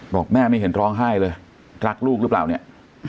บอกแม่ไม่เห็นร้องไห้เลยรักลูกหรือเปล่าเนี่ย